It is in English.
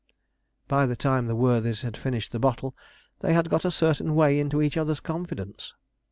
By the time the worthies had finished the bottle, they had got a certain way into each other's confidence.